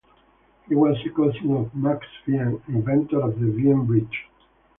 He was a cousin of Max Wien, inventor of the Wien bridge.